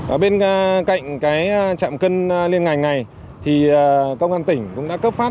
ở bên cạnh trạm cân liên ngành này thì công an tỉnh cũng đã cấp phát